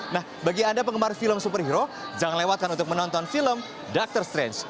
nah bagi anda penggemar film superhero jangan lewatkan untuk menonton film doctor strange